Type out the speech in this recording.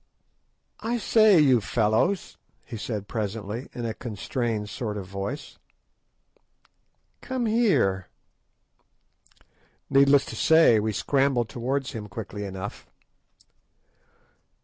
"I say, you fellows," he said presently, in a constrained sort of voice, "come here." Needless to say we scrambled towards him quickly enough.